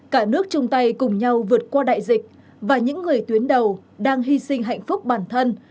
cả nước chung tay cùng nhau vượt qua đại dịch và những người tuyến đầu đang hy sinh hạnh phúc bản thân